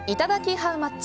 ハウマッチ。